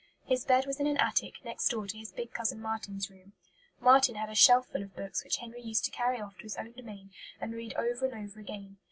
His bed was in an attic, next door to his big cousin Marten's room. Marten had a shelf full of books, which Henry used to carry off to his own domain and read over and over again.